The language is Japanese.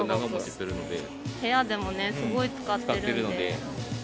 部屋でもね、すごい使ってる使ってるので。